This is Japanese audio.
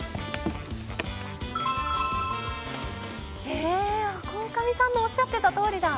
へえ鴻上さんのおっしゃってたとおりだ。